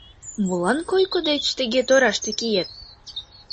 Молан койко деч тыге тораште киет?